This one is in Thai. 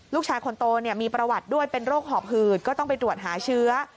ลูกชายคนโตมีประวัติด้วยเป็นโรคหอบหืดก็ต้องไปตรวจหาเชื้อ